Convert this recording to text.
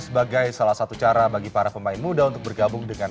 sebagai salah satu cara bagi para pemain muda untuk bergabung dengan